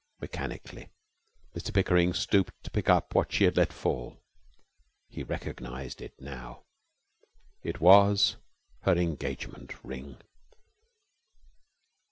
Mechanically Mr Pickering stooped to pick up what she had let fall. He recognized it now. It was her engagement ring.